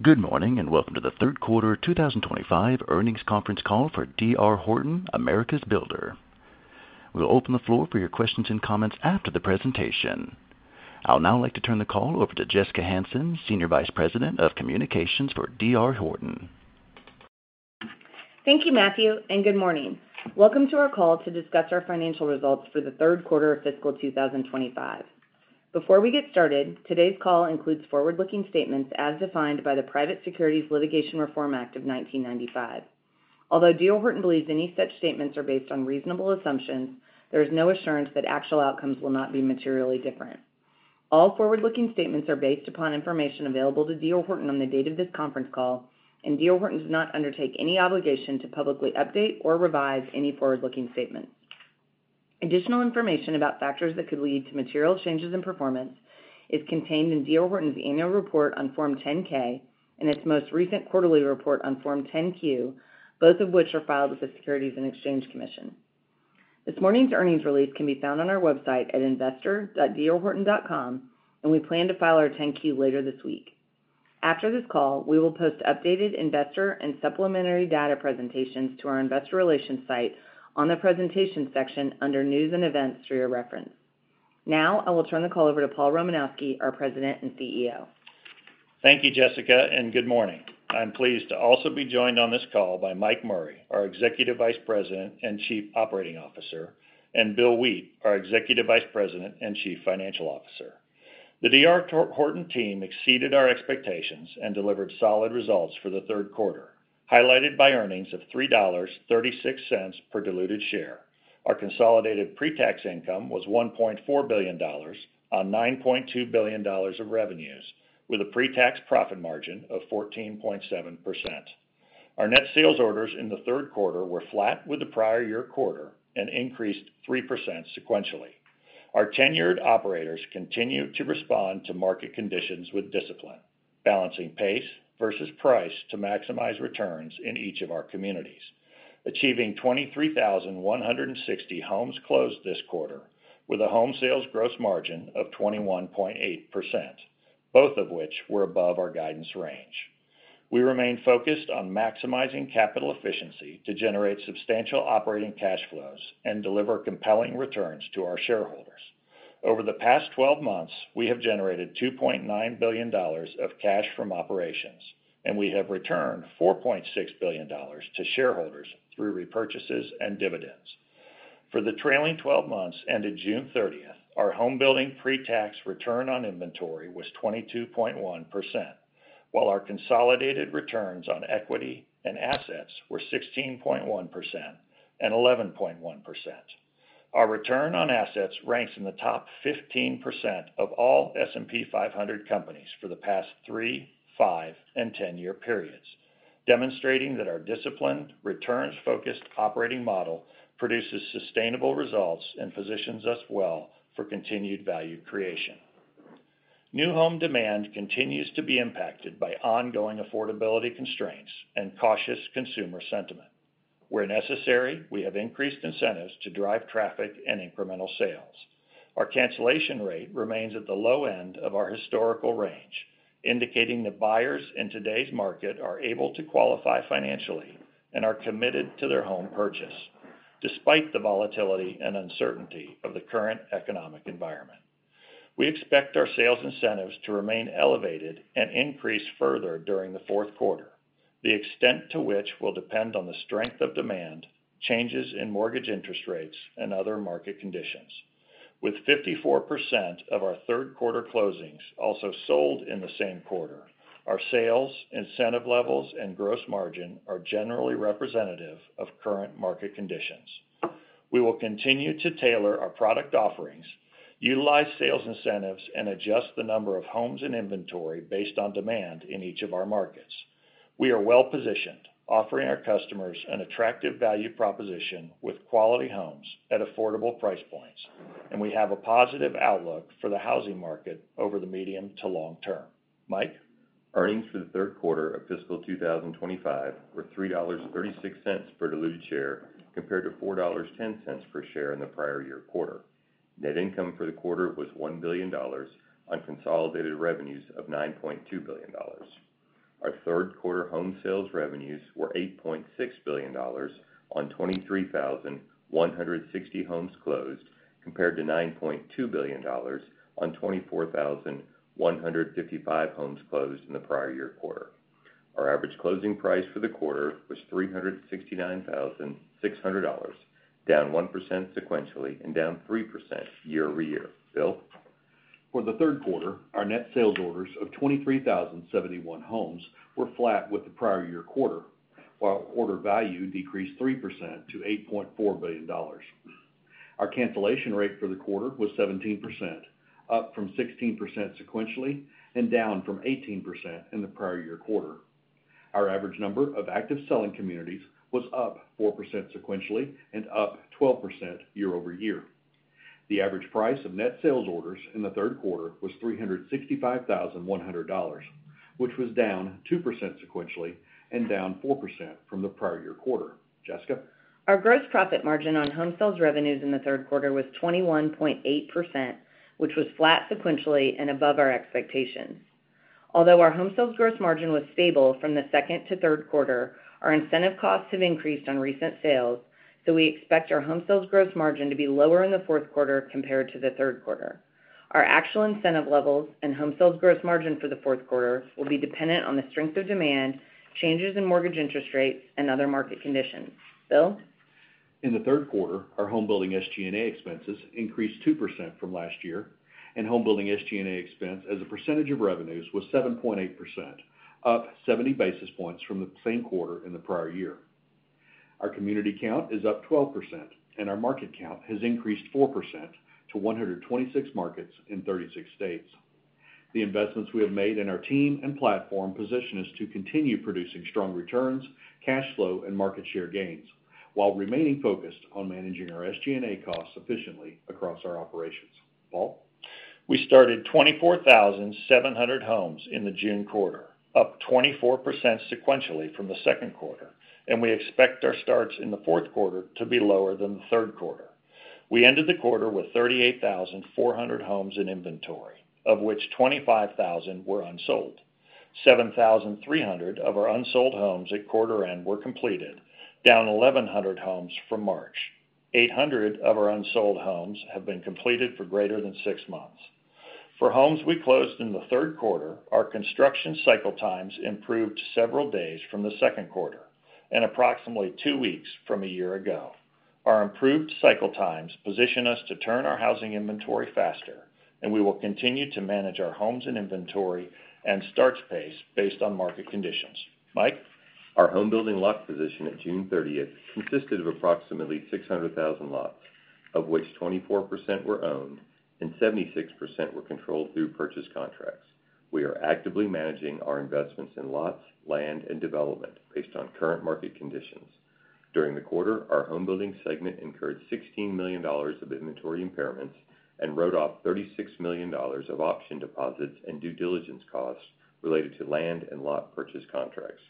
Good morning and welcome to the third quarter 2025 earnings conference call for D.R. Horton, America's Builder. We'll open the floor for your questions and comments after the presentation. I'd now like to turn the call over to Jessica Hansen, Senior Vice President of Communications for D.R. Horton. Thank you, Matthew, and good morning. Welcome to our call to discuss our financial results for the third quarter of fiscal 2025. Before we get started, today's call includes forward-looking statements as defined by the Private Securities Litigation Reform Act of 1995. Although D.R. Horton believes any such statements are based on reasonable assumptions, there is no assurance that actual outcomes will not be materially different. All forward-looking statements are based upon information available to D.R. Horton on the date of this conference call, and D.R. Horton does not undertake any obligation to publicly update or revise any forward-looking statements. Additional information about factors that could lead to material changes in performance is contained in D.R. Horton's annual report on Form 10-K and its most recent quarterly report on Form 10-Q, both of which are filed with the Securities and Exchange Commission. This morning's earnings release can be found on our website at investor.drhorton.com, and we plan to file our 10-Q later this week. After this call, we will post updated investor and supplementary data presentations to our investor relations site on the presentation section under News and Events for your reference. Now, I will turn the call over to Paul Romanowski, our President and CEO. Thank you, Jessica, and good morning. I'm pleased to also be joined on this call by Mike Murray, our Executive Vice President and Chief Operating Officer, and Bill Wheat, our Executive Vice President and Chief Financial Officer. The D.R. Horton team exceeded our expectations and delivered solid results for the third quarter, highlighted by earnings of $3.36 per diluted share. Our consolidated pre-tax income was $1.4 billion on $9.2 billion of revenues, with a pre-tax profit margin of 14.7%. Our net sales orders in the third quarter were flat with the prior year quarter and increased 3% sequentially. Our tenured operators continue to respond to market conditions with discipline, balancing pace versus price to maximize returns in each of our communities, achieving 23,160 homes closed this quarter, with a home sales gross margin of 21.8%, both of which were above our guidance range. We remain focused on maximizing capital efficiency to generate substantial operating cash flows and deliver compelling returns to our shareholders. Over the past 12 months, we have generated $2.9 billion of cash from operations, and we have returned $4.6 billion to shareholders through repurchases and dividends. For the trailing 12 months ended June 30th, our home building pre-tax return on inventory was 22.1%, while our consolidated returns on equity and assets were 16.1% and 11.1%. Our return on assets ranks in the top 15% of all S&P 500 companies for the past three, five, and ten-year periods, demonstrating that our disciplined, return-focused operating model produces sustainable results and positions us well for continued value creation. New home demand continues to be impacted by ongoing affordability constraints and cautious consumer sentiment. Where necessary, we have increased incentives to drive traffic and incremental sales. Our cancellation rate remains at the low end of our historical range, indicating that buyers in today's market are able to qualify financially and are committed to their home purchase, despite the volatility and uncertainty of the current economic environment. We expect our sales incentives to remain elevated and increase further during the fourth quarter, the extent to which will depend on the strength of demand, changes in mortgage interest rates, and other market conditions. With 54% of our third-quarter closings also sold in the same quarter, our sales, incentive levels, and gross margin are generally representative of current market conditions. We will continue to tailor our product offerings, utilize sales incentives, and adjust the number of homes and inventory based on demand in each of our markets. We are well-positioned, offering our customers an attractive value proposition with quality homes at affordable price points, and we have a positive outlook for the housing market over the medium to long term. Mike. Earnings for the third quarter of fiscal 2025 were $3.36 per diluted share compared to $4.10 per share in the prior year quarter. Net income for the quarter was $1 billion on consolidated revenues of $9.2 billion. Our third-quarter home sales revenues were $8.6 billion on 23,160 homes closed compared to $9.2 billion on 24,155 homes closed in the prior year quarter. Our average closing price for the quarter was $369,600, down 1% sequentially and down 3% year-over-year. Bill. For the third quarter, our net sales orders of 23,071 homes were flat with the prior year quarter, while order value decreased 3% to $8.4 billion. Our cancellation rate for the quarter was 17%, up from 16% sequentially and down from 18% in the prior year quarter. Our average number of active selling communities was up 4% sequentially and up 12% year-over-year. The average price of net sales orders in the third quarter was $365,100, which was down 2% sequentially and down 4% from the prior year quarter. Jessica. Our gross profit margin on home sales revenues in the third quarter was 21.8%, which was flat sequentially and above our expectations. Although our home sales gross margin was stable from the second to third quarter, our incentive costs have increased on recent sales, so we expect our home sales gross margin to be lower in the fourth quarter compared to the third quarter. Our actual incentive levels and home sales gross margin for the fourth quarter will be dependent on the strength of demand, changes in mortgage interest rates, and other market conditions. Bill. In the third quarter, our home building SG&A expenses increased 2% from last year, and home building SG&A expense as a percentage of revenues was 7.8%, up 70 basis points from the same quarter in the prior year. Our community count is up 12%, and our market count has increased 4% to 126 markets in 36 states. The investments we have made in our team and platform position us to continue producing strong returns, cash flow, and market share gains, while remaining focused on managing our SG&A costs efficiently across our operations. Paul. We started 24,700 homes in the June quarter, up 24% sequentially from the second quarter, and we expect our starts in the fourth quarter to be lower than the third quarter. We ended the quarter with 38,400 homes in inventory, of which 25,000 were unsold. 7,300 of our unsold homes at quarter-end were completed, down 1,100 homes from March. 800 of our unsold homes have been completed for greater than six months. For homes we closed in the third quarter, our construction cycle times improved several days from the second quarter and approximately two weeks from a year ago. Our improved cycle times position us to turn our housing inventory faster, and we will continue to manage our homes and inventory and starts pace based on market conditions. Mike. Our home building lot position at June 30th consisted of approximately 600,000 lots, of which 24% were owned and 76% were controlled through purchase contracts. We are actively managing our investments in lots, land, and development based on current market conditions. During the quarter, our home building segment incurred $16 million of inventory impairments and wrote off $36 million of option deposits and due diligence costs related to land and lot purchase contracts.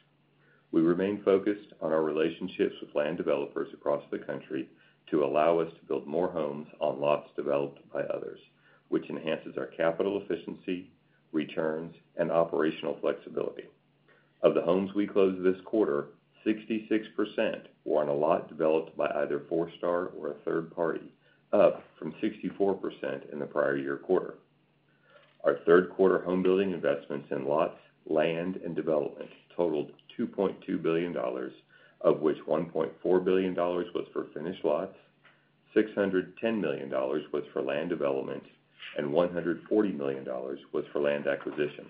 We remain focused on our relationships with land developers across the country to allow us to build more homes on lots developed by others, which enhances our capital efficiency, returns, and operational flexibility. Of the homes we closed this quarter, 66% were on a lot developed by either Forestar or a third party, up from 64% in the prior year quarter. Our third-quarter home building investments in lots, land, and development totaled $2.2 billion, of which $1.4 billion was for finished lots, $610 million was for land development, and $140 million was for land acquisition.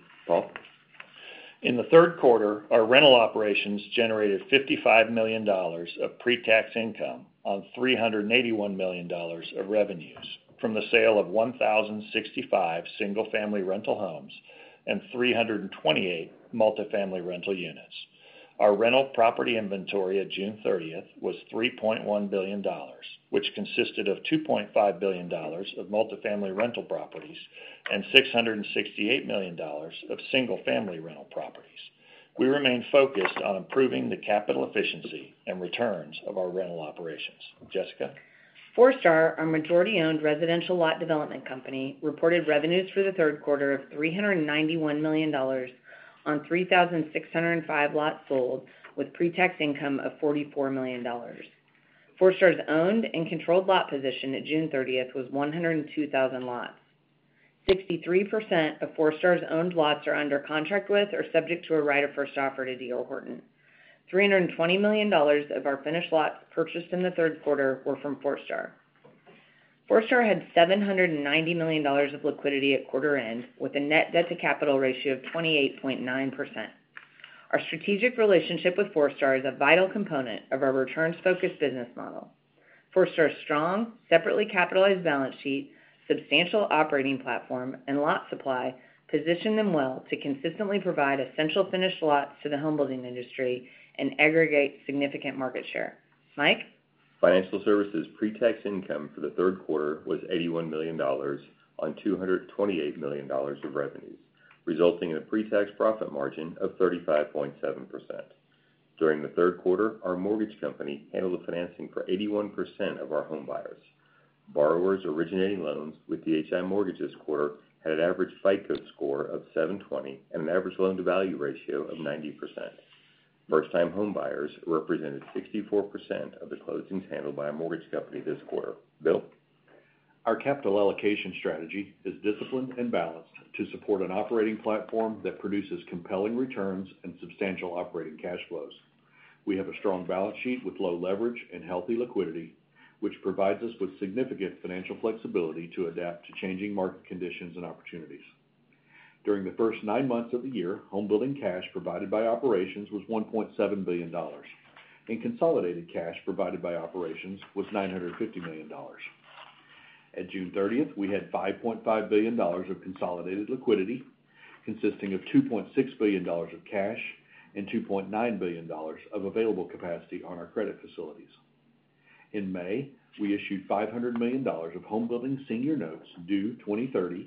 Paul. In the third quarter, our rental operations generated $55 million of pre-tax income on $381 million of revenues from the sale of 1,065 single-family rental homes and 328 multifamily rental units. Our rental property inventory at June 30th was $3.1 billion, which consisted of $2.5 billion of multifamily rental properties and $668 million of single-family rental properties. We remain focused on improving the capital efficiency and returns of our rental operations. Jessica. Forestar, our majority-owned residential lot development company, reported revenues for the third quarter of $391 million on 3,605 lots sold with pre-tax income of $44 million. Forestar's owned and controlled lot position at June 30th was 102,000 lots. 63% of Forestar's owned lots are under contract with or subject to a right of first offer to D.R. Horton. $320 million of our finished lots purchased in the third quarter were from Forestar. Forestar had $790 million of liquidity at quarter-end with a net debt-to-capital ratio of 28.9%. Our strategic relationship with Forestar is a vital component of our returns-focused business model. Forestar's strong, separately capitalized balance sheet, substantial operating platform, and lot supply position them well to consistently provide essential finished lots to the home building industry and aggregate significant market share. Mike. Financial Services' pre-tax income for the third quarter was $81 million on $228 million of revenues, resulting in a pre-tax profit margin of 35.7%. During the third quarter, our mortgage company handled the financing for 81% of our home buyers. Borrowers originating loans with the D.R. Horton mortgage company this quarter had an average FICO score of 720 and an average loan-to-value ratio of 90%. First-time home buyers represented 64% of the closings handled by our mortgage company this quarter. Bill. Our capital allocation strategy is disciplined and balanced to support an operating platform that produces compelling returns and substantial operating cash flows. We have a strong balance sheet with low leverage and healthy liquidity, which provides us with significant financial flexibility to adapt to changing market conditions and opportunities. During the first nine months of the year, home building cash provided by operations was $1.7 billion, and consolidated cash provided by operations was $950 million. At June 30th, we had $5.5 billion of consolidated liquidity consisting of $2.6 billion of cash and $2.9 billion of available capacity on our credit facilities. In May, we issued $500 million of home building senior notes due 2030, and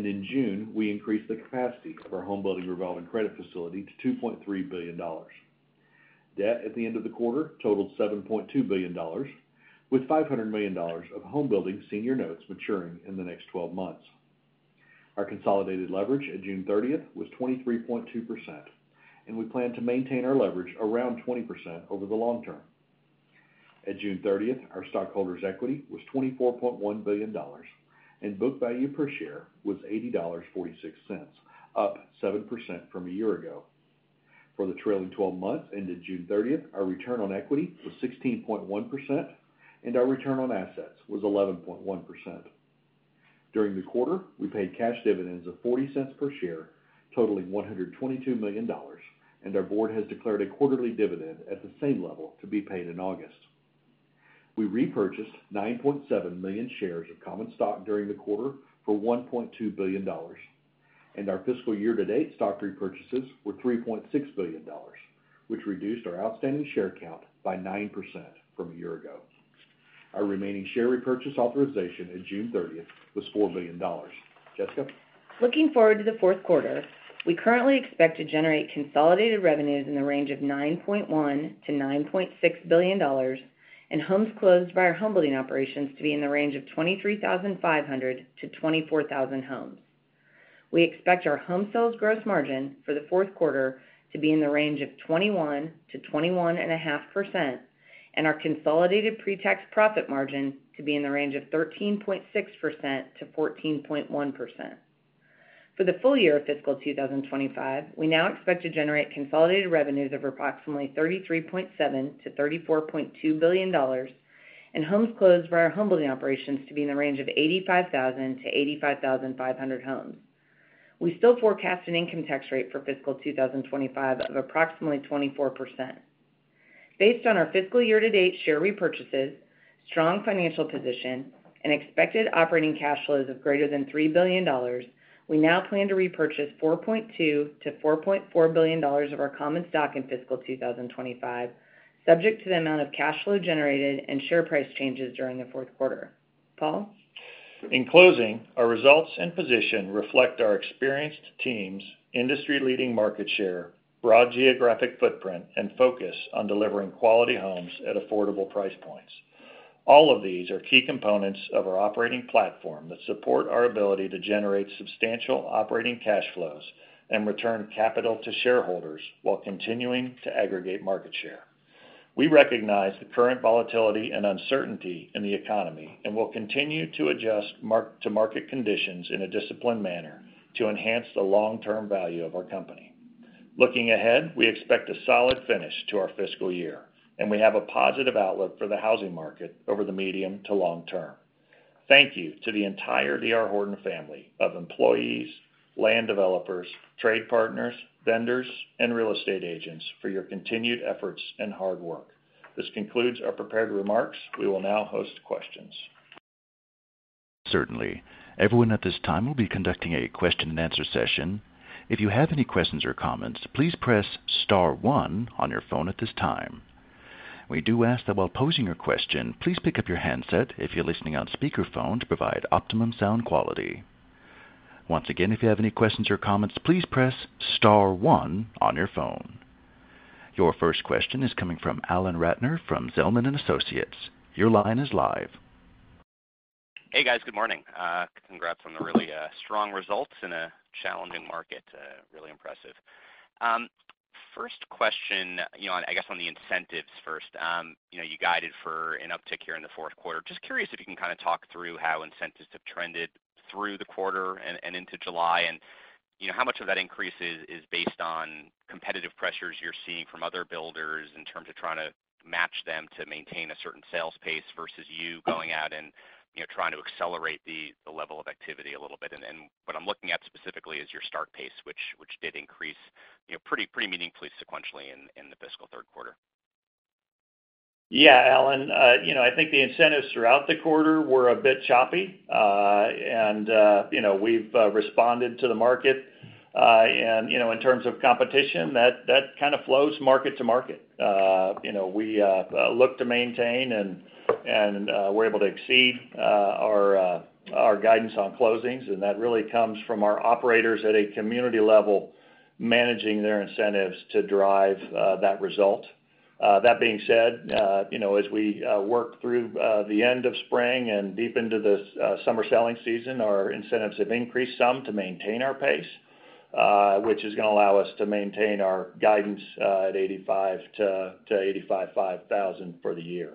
in June, we increased the capacity of our home building revolving credit facility to $2.3 billion. Debt at the end of the quarter totaled $7.2 billion, with $500 million of home building senior notes maturing in the next 12 months. Our consolidated leverage at June 30th was 23.2%, and we plan to maintain our leverage around 20% over the long term. At June 30th, our stockholders' equity was $24.1 billion, and book value per share was $80.46, up 7% from a year ago. For the trailing 12 months ended June 30th, our return on equity was 16.1%, and our return on assets was 11.1%. During the quarter, we paid cash dividends of $0.40 per share, totaling $122 million, and our board has declared a quarterly dividend at the same level to be paid in August. We repurchased 9.7 million shares of common stock during the quarter for $1.2 billion, and our fiscal year-to-date stock repurchases were $3.6 billion, which reduced our outstanding share count by 9% from a year ago. Our remaining share repurchase authorization at June 30th was $4 billion. Jessica. Looking forward to the fourth quarter, we currently expect to generate consolidated revenues in the range of $9.1 billion-$9.6 billion and homes closed by our home building operations to be in the range of 23,500-24,000 homes. We expect our home sales gross margin for the fourth quarter to be in the range of 21%-21.5%, and our consolidated pre-tax profit margin to be in the range of 13.6%-14.1%. For the full year of fiscal 2025, we now expect to generate consolidated revenues of approximately $33.7 billion-$34.2 billion. And homes closed by our home building operations to be in the range of 85,000-85,500 homes. We still forecast an income tax rate for fiscal 2025 of approximately 24%. Based on our fiscal year-to-date share repurchases, strong financial position, and expected operating cash flows of greater than $3 billion, we now plan to repurchase $4.2 billion-$4.4 billion of our common stock in fiscal 2025, subject to the amount of cash flow generated and share price changes during the fourth quarter. Paul. In closing, our results and position reflect our experienced teams, industry-leading market share, broad geographic footprint, and focus on delivering quality homes at affordable price points. All of these are key components of our operating platform that support our ability to generate substantial operating cash flows and return capital to shareholders while continuing to aggregate market share. We recognize the current volatility and uncertainty in the economy and will continue to adjust to market conditions in a disciplined manner to enhance the long-term value of our company. Looking ahead, we expect a solid finish to our fiscal year, and we have a positive outlook for the housing market over the medium to long term. Thank you to the entire D.R. Horton family of employees, land developers, trade partners, vendors, and real estate agents for your continued efforts and hard work. This concludes our prepared remarks. We will now host questions. Certainly. Everyone at this time will be conducting a question-and-answer session. If you have any questions or comments, please press star one on your phone at this time. We do ask that while posing your question, please pick up your handset if you're listening on speakerphone to provide optimum sound quality. Once again, if you have any questions or comments, please press star one on your phone. Your first question is coming from Alan Ratner from Zelman & Associates. Your line is live. Hey, guys. Good morning. Congrats on the really strong results in a challenging market. Really impressive. First question, I guess on the incentives first. You guided for an uptick here in the fourth quarter. Just curious if you can kind of talk through how incentives have trended through the quarter and into July, and how much of that increase is based on competitive pressures you're seeing from other builders in terms of trying to match them to maintain a certain sales pace versus you going out and trying to accelerate the level of activity a little bit. What I'm looking at specifically is your start pace, which did increase pretty meaningfully sequentially in the fiscal third quarter. Yeah, Alan. I think the incentives throughout the quarter were a bit choppy. We have responded to the market. In terms of competition, that kind of flows market-to-market. We look to maintain and we are able to exceed our guidance on closings, and that really comes from our operators at a community level managing their incentives to drive that result. That being said, as we work through the end of spring and deep into the summer-selling season, our incentives have increased some to maintain our pace, which is going to allow us to maintain our guidance at 85,000-85,000 for the year.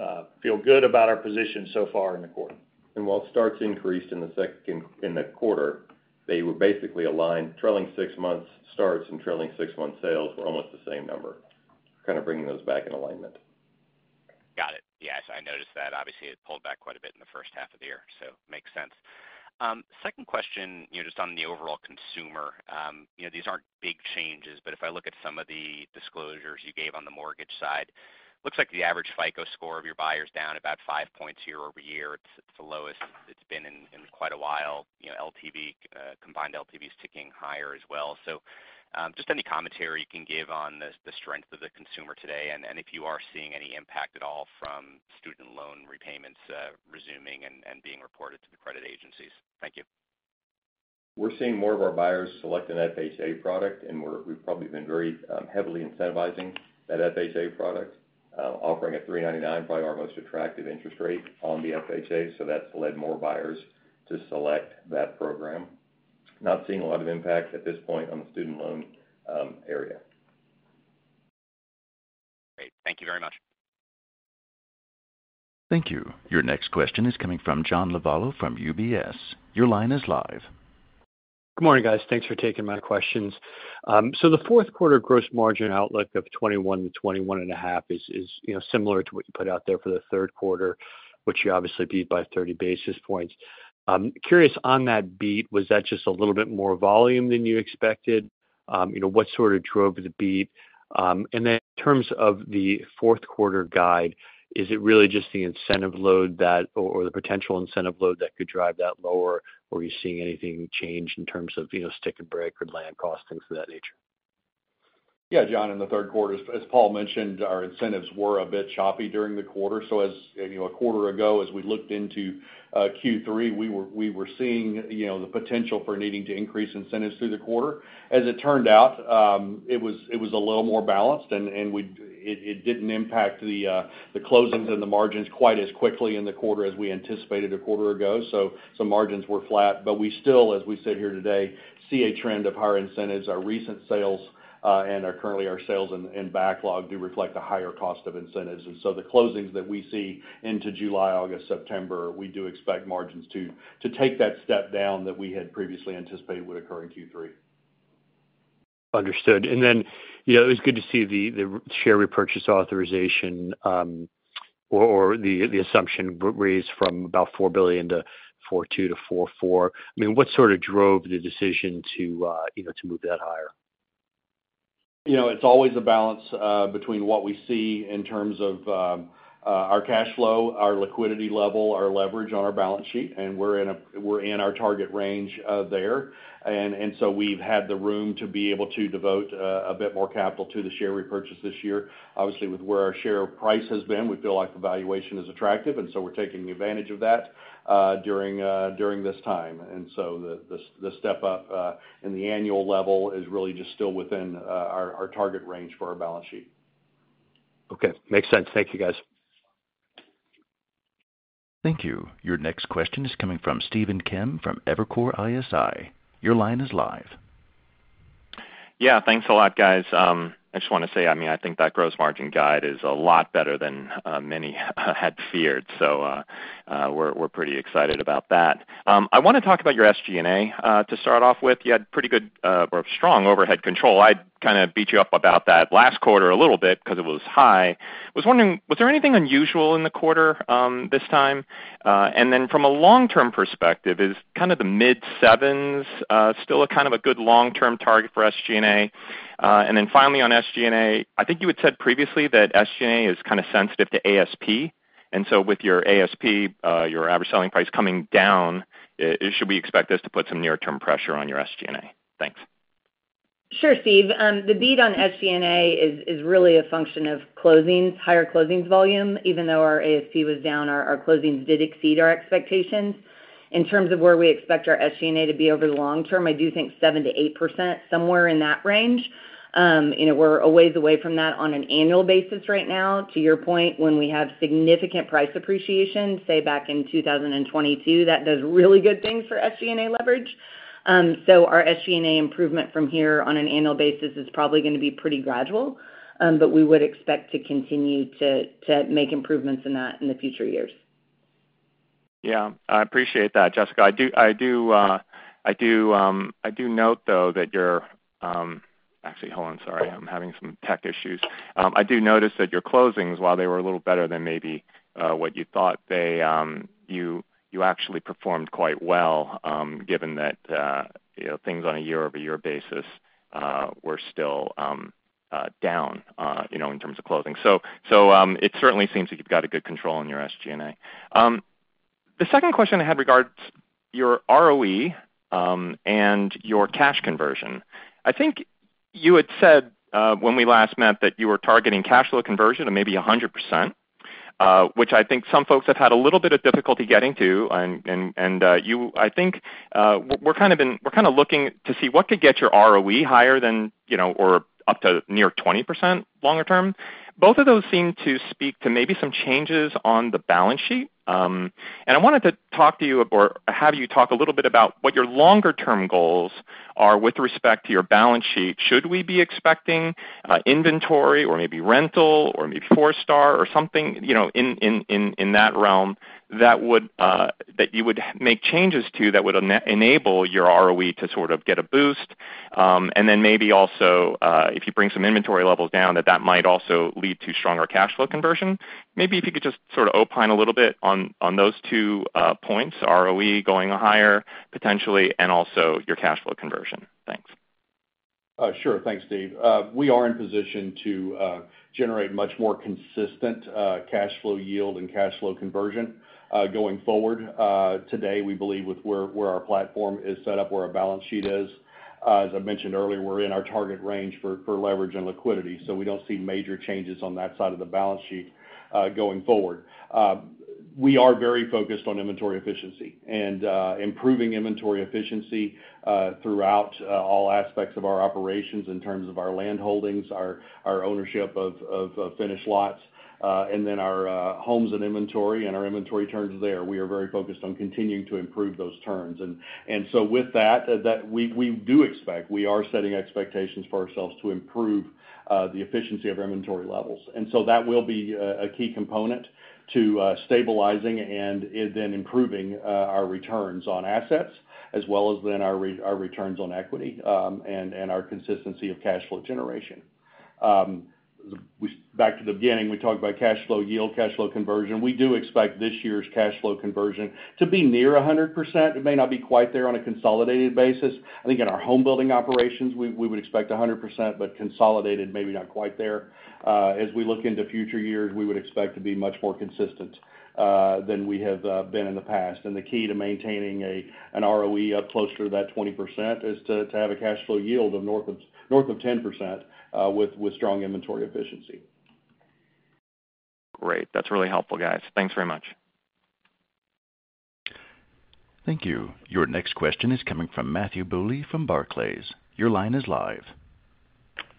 I feel good about our position so far in the quarter. While starts increased in the quarter, they were basically aligned. Trailing six-month starts and trailing six-month sales were almost the same number, kind of bringing those back in alignment. Got it. Yes, I noticed that. Obviously, it pulled back quite a bit in the first half of the year, so makes sense. Second question, just on the overall consumer. These aren't big changes, but if I look at some of the disclosures you gave on the mortgage side, it looks like the average FICO score of your buyers is down about five points year-over-year. It's the lowest it's been in quite a while. Combined LTV is ticking higher as well. Just any commentary you can give on the strength of the consumer today and if you are seeing any impact at all from student loan repayments resuming and being reported to the credit agencies. Thank you. We're seeing more of our buyers select an FHA product, and we've probably been very heavily incentivizing that FHA product, offering a 3.99, probably our most attractive interest rate on the FHA, so that's led more buyers to select that program. Not seeing a lot of impact at this point on the student loan area. Great. Thank you very much. Thank you. Your next question is coming from John Lovallo from UBS. Your line is live. Good morning, guys. Thanks for taking my questions. The fourth quarter gross margin outlook of 21% to 21.5% is similar to what you put out there for the third quarter, which you obviously beat by 30 basis points. Curious, on that beat, was that just a little bit more volume than you expected? What sort of drove the beat? In terms of the fourth quarter guide, is it really just the incentive load or the potential incentive load that could drive that lower, or are you seeing anything change in terms of stick and break or land costs, things of that nature? Yeah, John, in the third quarter, as Paul mentioned, our incentives were a bit choppy during the quarter. A quarter ago, as we looked into Q3, we were seeing the potential for needing to increase incentives through the quarter. As it turned out, it was a little more balanced, and it did not impact the closings and the margins quite as quickly in the quarter as we anticipated a quarter ago. Some margins were flat, but we still, as we sit here today, see a trend of higher incentives. Our recent sales and currently our sales in backlog do reflect a higher cost of incentives. The closings that we see into July, August, September, we do expect margins to take that step down that we had previously anticipated would occur in Q3. Understood. It was good to see the share repurchase authorization, or the assumption raised from about $4 billion to $4.2-$4.4 billion. I mean, what sort of drove the decision to move that higher? It's always a balance between what we see in terms of our cash flow, our liquidity level, our leverage on our balance sheet, and we're in our target range there. We've had the room to be able to devote a bit more capital to the share repurchase this year. Obviously, with where our share price has been, we feel like the valuation is attractive, and we're taking advantage of that during this time. The step up in the annual level is really just still within our target range for our balance sheet. Okay. Makes sense. Thank you, guys. Thank you. Your next question is coming from Stephen Kim from Evercore ISI. Your line is live. Yeah, thanks a lot, guys. I just want to say, I mean, I think that gross margin guide is a lot better than many had feared, so. We're pretty excited about that. I want to talk about your SG&A to start off with. You had pretty good or strong overhead control. I'd kind of beat you up about that last quarter a little bit because it was high. I was wondering, was there anything unusual in the quarter this time? From a long-term perspective, is kind of the mid-sevens still kind of a good long-term target for SG&A? Finally, on SG&A, I think you had said previously that SG&A is kind of sensitive to ASP. With your ASP, your average selling price coming down, should we expect this to put some near-term pressure on your SG&A? Thanks. Sure, Steve. The beat on SG&A is really a function of higher closings volume. Even though our ASP was down, our closings did exceed our expectations. In terms of where we expect our SG&A to be over the long term, I do think 7-8%, somewhere in that range. We're a ways away from that on an annual basis right now. To your point, when we have significant price appreciation, say back in 2022, that does really good things for SG&A leverage. Our SG&A improvement from here on an annual basis is probably going to be pretty gradual, but we would expect to continue to make improvements in that in the future years. Yeah. I appreciate that, Jessica. I do. Note, though, that your—actually, hold on, sorry. I'm having some tech issues. I do notice that your closings, while they were a little better than maybe what you thought, you actually performed quite well given that. Things on a year-over-year basis were still down in terms of closing. It certainly seems like you've got a good control on your SG&A. The second question I had regards to your ROE and your cash conversion. I think you had said when we last met that you were targeting cash flow conversion of maybe 100%, which I think some folks have had a little bit of difficulty getting to. I think we're kind of looking to see what could get your ROE higher than or up to near 20% longer term. Both of those seem to speak to maybe some changes on the balance sheet. I wanted to talk to you or have you talk a little bit about what your longer-term goals are with respect to your balance sheet. Should we be expecting inventory or maybe rental or maybe Forestar or something in that realm that you would make changes to that would enable your ROE to sort of get a boost? Maybe also if you bring some inventory levels down, that might also lead to stronger cash flow conversion. Maybe if you could just sort of open a little bit on those two points, ROE going higher potentially and also your cash flow conversion. Thanks. Sure. Thanks, Steve. We are in position to generate much more consistent cash flow yield and cash flow conversion going forward. Today, we believe with where our platform is set up, where our balance sheet is, as I mentioned earlier, we're in our target range for leverage and liquidity. We do not see major changes on that side of the balance sheet going forward. We are very focused on inventory efficiency and improving inventory efficiency throughout all aspects of our operations in terms of our land holdings, our ownership of finished lots, and then our homes and inventory and our inventory turns there. We are very focused on continuing to improve those turns. With that, we do expect, we are setting expectations for ourselves to improve the efficiency of our inventory levels. That will be a key component to stabilizing and then improving our returns on assets as well as then our returns on equity and our consistency of cash flow generation. Back to the beginning, we talked about cash flow yield, cash flow conversion. We do expect this year's cash flow conversion to be near 100%. It may not be quite there on a consolidated basis. I think in our home building operations, we would expect 100%, but consolidated, maybe not quite there. As we look into future years, we would expect to be much more consistent than we have been in the past. The key to maintaining an ROE up close to that 20% is to have a cash flow yield of north of 10% with strong inventory efficiency. Great. That's really helpful, guys. Thanks very much. Thank you. Your next question is coming from Matthew Bouley from Barclays. Your line is live.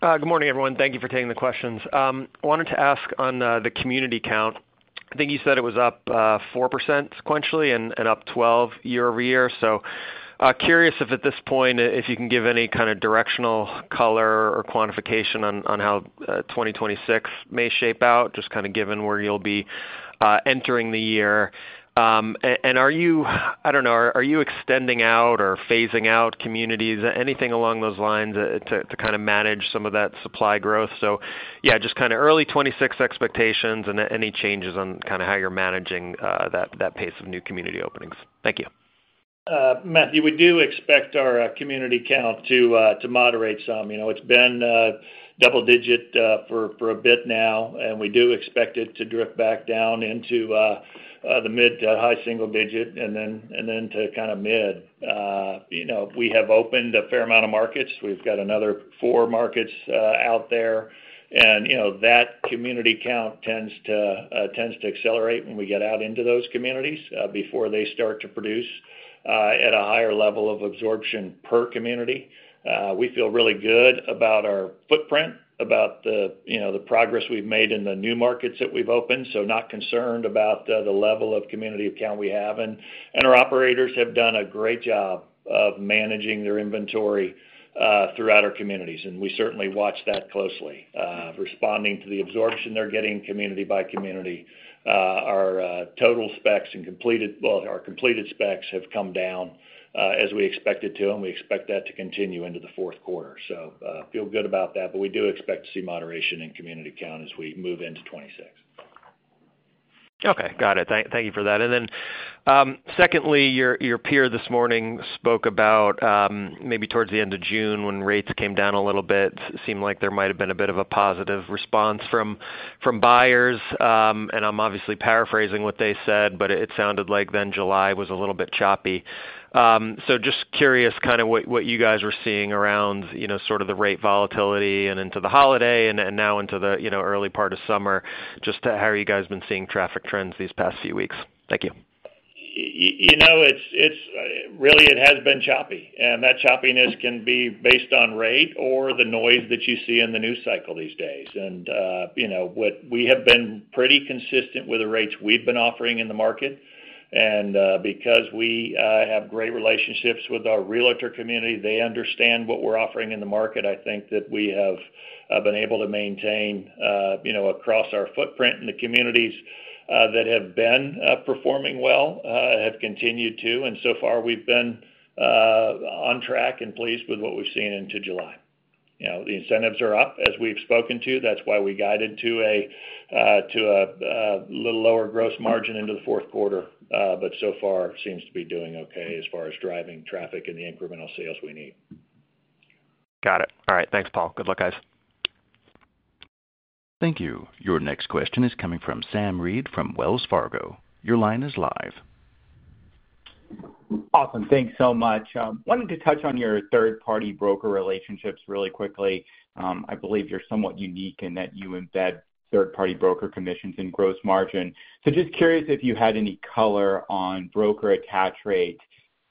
Good morning, everyone. Thank you for taking the questions. I wanted to ask on the community count. I think you said it was up 4% sequentially and up 12% year-over-year. Curious if at this point, if you can give any kind of directional color or quantification on how 2026 may shape out, just kind of given where you'll be entering the year. I don't know, are you extending out or phasing out communities, anything along those lines to kind of manage some of that supply growth? Yeah, just kind of early 2026 expectations and any changes on how you're managing that pace of new community openings. Thank you. Matthew, we do expect our community count to moderate some. It's been double-digit for a bit now, and we do expect it to drift back down into the mid to high single-digit and then to kind of mid. We have opened a fair amount of markets. We've got another four markets out there. That community count tends to accelerate when we get out into those communities before they start to produce at a higher level of absorption per community. We feel really good about our footprint, about the progress we've made in the new markets that we've opened, not concerned about the level of community count we have. Our operators have done a great job of managing their inventory throughout our communities. We certainly watch that closely, responding to the absorption they're getting community by community. Our total specs and completed, well, our completed specs have come down as we expected to, and we expect that to continue into the fourth quarter. We feel good about that. We do expect to see moderation in community count as we move into 2026. Okay. Got it. Thank you for that. Then secondly, your peer this morning spoke about maybe towards the end of June when rates came down a little bit, seemed like there might have been a bit of a positive response from buyers. I'm obviously paraphrasing what they said, but it sounded like then July was a little bit choppy. Just curious kind of what you guys were seeing around sort of the rate volatility and into the holiday and now into the early part of summer, just how you guys have been seeing traffic trends these past few weeks. Thank you. You know, really, it has been choppy. That choppiness can be based on rate or the noise that you see in the news cycle these days. We have been pretty consistent with the rates we've been offering in the market. Because we have great relationships with our realtor community, they understand what we're offering in the market. I think that we have been able to maintain. Across our footprint, the communities that have been performing well have continued to. So far, we've been on track and pleased with what we've seen into July. The incentives are up, as we've spoken to. That's why we guided to a little lower gross margin into the fourth quarter. So far, seems to be doing okay as far as driving traffic and the incremental sales we need. Got it. All right. Thanks, Paul. Good luck, guys. Thank you. Your next question is coming from Sam Reid from Wells Fargo. Your line is live. Awesome. Thanks so much. Wanted to touch on your third-party broker relationships really quickly. I believe you're somewhat unique in that you embed third-party broker commissions in gross margin. Just curious if you had any color on broker attach rate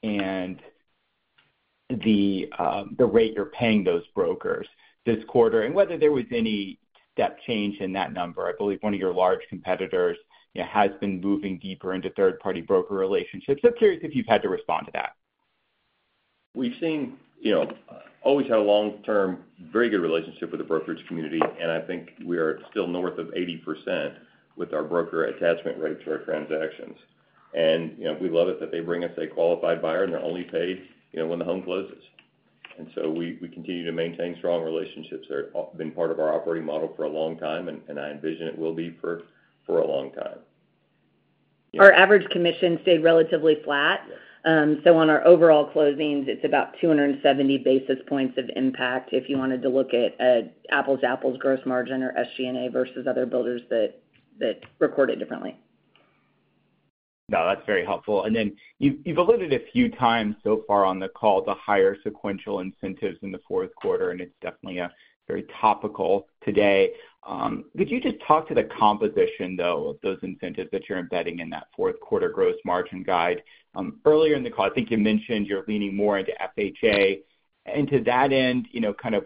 and the rate you're paying those brokers this quarter and whether there was any step change in that number. I believe one of your large competitors has been moving deeper into third-party broker relationships. Curious if you've had to respond to that. have always had a long-term, very good relationship with the brokerage community. I think we are still north of 80% with our broker attachment rates for our transactions. We love it that they bring us a qualified buyer and they are only paid when the home closes. We continue to maintain strong relationships. They have been part of our operating model for a long time, and I envision it will be for a long time. Our average commission stayed relatively flat. So on our overall closings, it's about 270 basis points of impact if you wanted to look at apples-to-apples gross margin or SG&A versus other builders that recorded differently. No, that's very helpful. You have alluded a few times so far on the call to higher sequential incentives in the fourth quarter, and it's definitely very topical today. Could you just talk to the composition, though, of those incentives that you're embedding in that fourth quarter gross margin guide? Earlier in the call, I think you mentioned you're leaning more into FHA. To that end,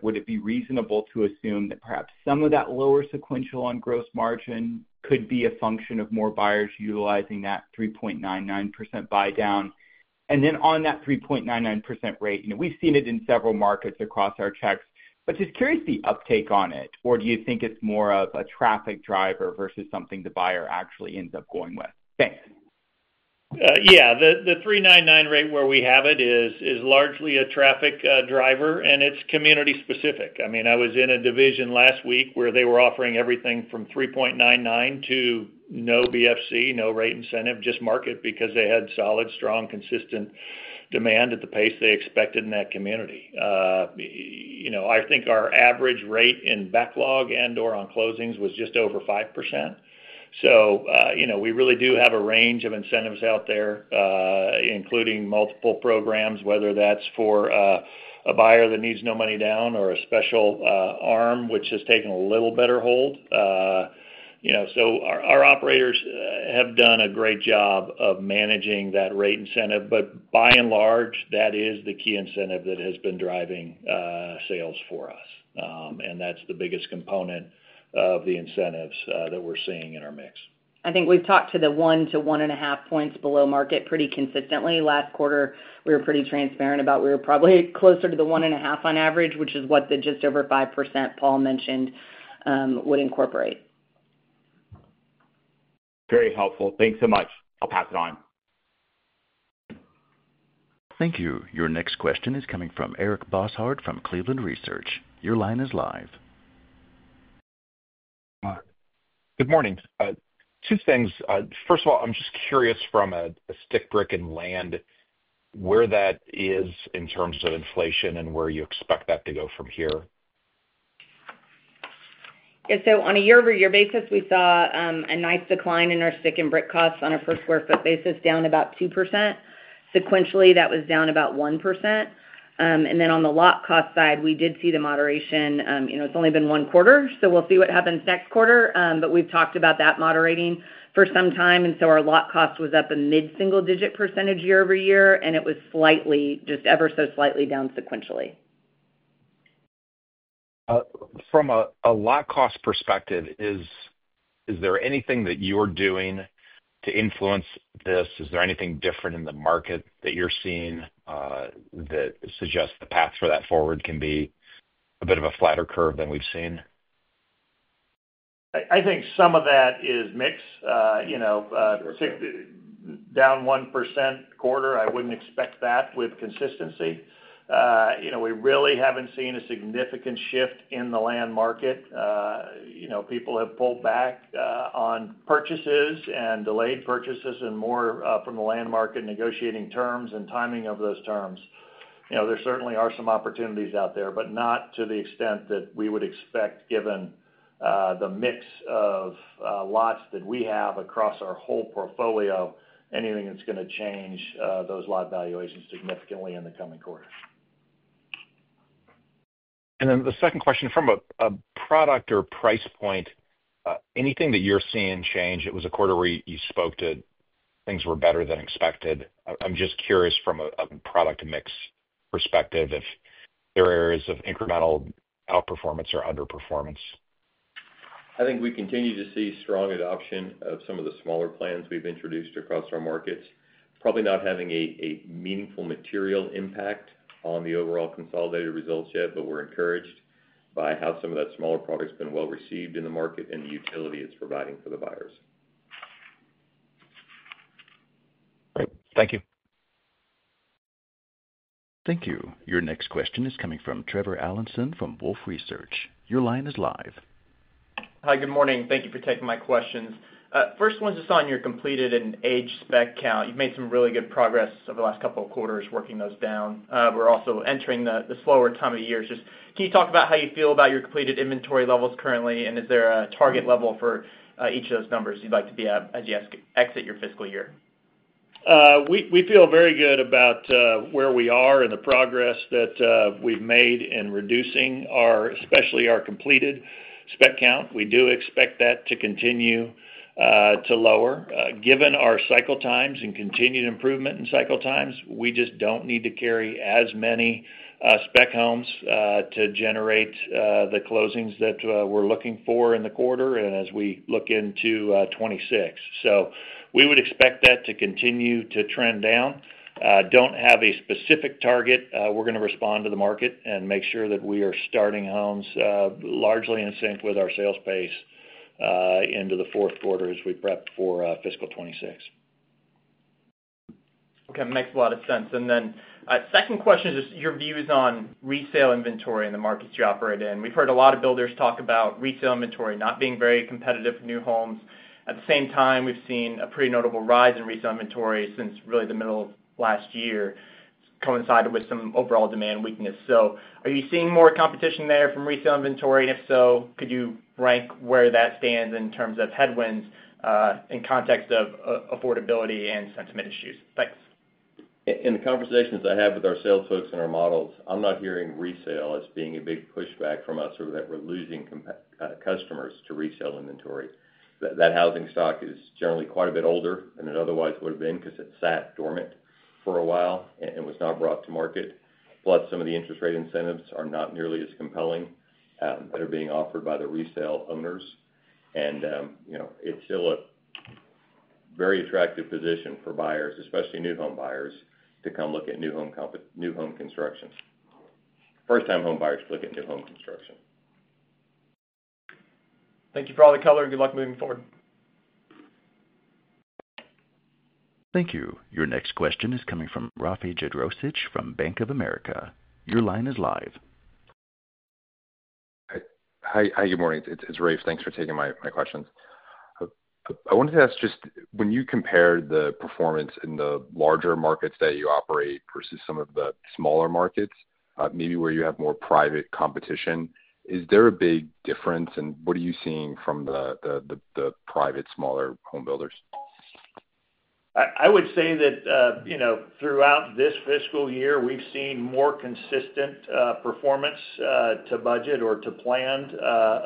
would it be reasonable to assume that perhaps some of that lower sequential on gross margin could be a function of more buyers utilizing that 3.99% buy down? On that 3.99% rate, we've seen it in several markets across our checks. Just curious the uptake on it. Do you think it's more of a traffic driver versus something the buyer actually ends up going with? Thanks. Yeah. The 3.99 rate where we have it is largely a traffic driver, and it's community-specific. I mean, I was in a division last week where they were offering everything from 3.99 to no BFC, no rate incentive, just market because they had solid, strong, consistent demand at the pace they expected in that community. I think our average rate in backlog and or on closings was just over 5%. We really do have a range of incentives out there, including multiple programs, whether that's for a buyer that needs no money down or a special arm, which has taken a little better hold. Our operators have done a great job of managing that rate incentive. By and large, that is the key incentive that has been driving sales for us. That's the biggest component of the incentives that we're seeing in our mix. I think we've talked to the 1-1.5 points below market pretty consistently. Last quarter, we were pretty transparent about we were probably closer to the 1.5 on average, which is what the just over 5% Paul mentioned would incorporate. Very helpful. Thanks so much. I'll pass it on. Thank you. Your next question is coming from Eric Bosshard from Cleveland Research. Your line is live. Good morning. Two things. First of all, I'm just curious from a stick, brick, and land. Where that is in terms of inflation and where you expect that to go from here? Yeah. On a year-over-year basis, we saw a nice decline in our stick and brick costs on a per sq ft basis, down about 2%. Sequentially, that was down about 1%. On the lot cost side, we did see the moderation. It's only been one quarter, so we'll see what happens next quarter. We have talked about that moderating for some time. Our lot cost was up a mid-single-digit percentage year-over-year, and it was slightly, just ever so slightly, down sequentially. From a lot cost perspective, is there anything that you're doing to influence this? Is there anything different in the market that you're seeing that suggests the path for that forward can be a bit of a flatter curve than we've seen? I think some of that is mixed. Down 1% quarter, I would not expect that with consistency. We really have not seen a significant shift in the land market. People have pulled back on purchases and delayed purchases and more from the land market, negotiating terms and timing of those terms. There certainly are some opportunities out there, but not to the extent that we would expect given the mix of lots that we have across our whole portfolio, anything that is going to change those lot valuations significantly in the coming quarter. The second question from a product or price point. Anything that you're seeing change? It was a quarter where you spoke to things were better than expected. I'm just curious from a product mix perspective if there are areas of incremental outperformance or underperformance. I think we continue to see strong adoption of some of the smaller plans we've introduced across our markets. Probably not having a meaningful material impact on the overall consolidated results yet, but we're encouraged by how some of that smaller product has been well received in the market and the utility it's providing for the buyers. Great. Thank you. Thank you. Your next question is coming from Trevor Allinson from Wolfe Research. Your line is live. Hi, good morning. Thank you for taking my questions. First one's just on your completed and aged spec count. You've made some really good progress over the last couple of quarters working those down. We're also entering the slower time of year. Just can you talk about how you feel about your completed inventory levels currently, and is there a target level for each of those numbers you'd like to be at as you exit your fiscal year? We feel very good about where we are and the progress that we've made in reducing our, especially our completed spec count. We do expect that to continue to lower. Given our cycle times and continued improvement in cycle times, we just don't need to carry as many spec homes to generate the closings that we're looking for in the quarter and as we look into 2026. We would expect that to continue to trend down. Don't have a specific target. We're going to respond to the market and make sure that we are starting homes largely in sync with our sales pace into the fourth quarter as we prep for fiscal 2026. Okay. Makes a lot of sense. Second question is just your views on resale inventory in the markets you operate in. We've heard a lot of builders talk about resale inventory not being very competitive for new homes. At the same time, we've seen a pretty notable rise in resale inventory since really the middle of last year. It's coincided with some overall demand weakness. Are you seeing more competition there from resale inventory? If so, could you rank where that stands in terms of headwinds in context of affordability and sentiment issues? Thanks. In the conversations I have with our sales folks and our models, I'm not hearing resale as being a big pushback from us or that we're losing customers to resale inventory. That housing stock is generally quite a bit older than it otherwise would have been because it sat dormant for a while and was not brought to market. Plus, some of the interest rate incentives are not nearly as compelling that are being offered by the resale owners. It is still a very attractive position for buyers, especially new home buyers, to come look at new home construction. First-time home buyers to look at new home construction. Thank you for all the color and good luck moving forward. Thank you. Your next question is coming from Rafe Jadrosich from Bank of America. Your line is live. Hi, good morning. It's Rafe. Thanks for taking my questions. I wanted to ask just when you compare the performance in the larger markets that you operate versus some of the smaller markets, maybe where you have more private competition, is there a big difference? What are you seeing from the private smaller home builders? I would say that throughout this fiscal year, we've seen more consistent performance to budget or to planned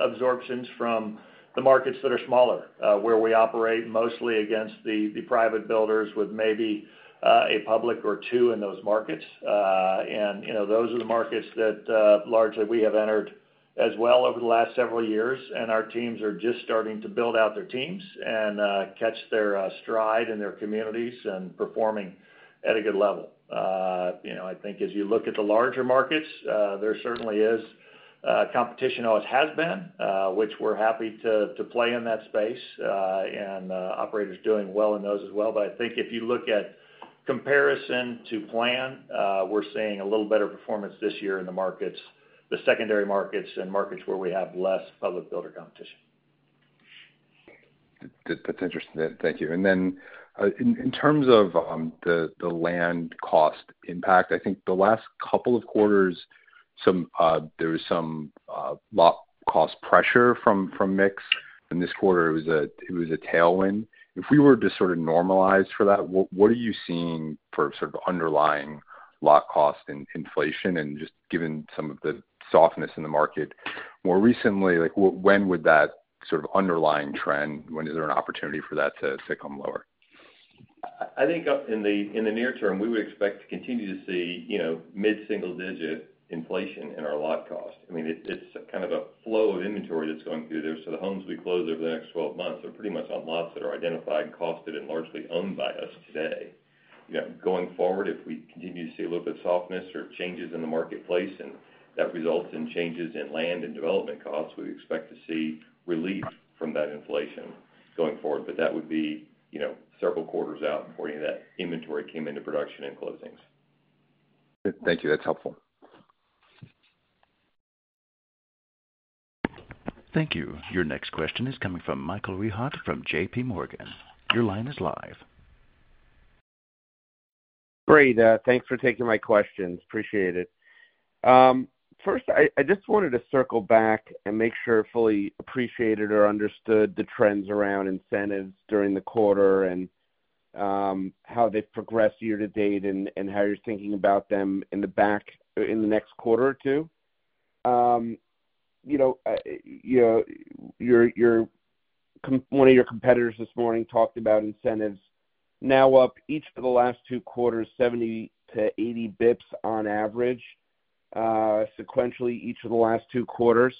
absorptions from the markets that are smaller, where we operate mostly against the private builders with maybe a public or two in those markets. Those are the markets that largely we have entered as well over the last several years. Our teams are just starting to build out their teams and catch their stride in their communities and performing at a good level. I think as you look at the larger markets, there certainly is competition, always has been, which we're happy to play in that space. Operators are doing well in those as well. I think if you look at comparison to plan, we're seeing a little better performance this year in the markets, the secondary markets, and markets where we have less public builder competition. That's interesting. Thank you. In terms of the land cost impact, I think the last couple of quarters, there was some lot cost pressure from mix. This quarter, it was a tailwind. If we were to sort of normalize for that, what are you seeing for sort of underlying lot cost and inflation? Just given some of the softness in the market more recently, when would that sort of underlying trend, when is there an opportunity for that to come lower? I think in the near term, we would expect to continue to see mid-single-digit inflation in our lot cost. I mean, it's kind of a flow of inventory that's going through there. The homes we close over the next 12 months are pretty much on lots that are identified, costed, and largely owned by us today. Going forward, if we continue to see a little bit of softness or changes in the marketplace and that results in changes in land and development costs, we expect to see relief from that inflation going forward. That would be several quarters out before any of that inventory came into production and closings. Thank you. That's helpful. Thank you. Your next question is coming from Michael Rehaut from JPMorgan. Your line is live. Great. Thanks for taking my questions. Appreciate it. First, I just wanted to circle back and make sure fully appreciated or understood the trends around incentives during the quarter and how they've progressed year-to-date and how you're thinking about them in the next quarter or two. One of your competitors this morning talked about incentives now up each of the last two quarters, 70 to 80 basis points on average. Sequentially each of the last two quarters.